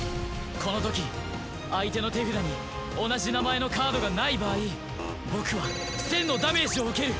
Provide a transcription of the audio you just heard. このとき相手の手札に同じ名前のカードがない場合僕は１０００のダメージを受ける。